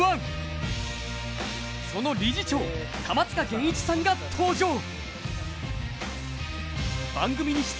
その理事長、玉塚元一さんが登場。